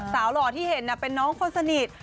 หล่อที่เห็นเป็นน้องคนสนิท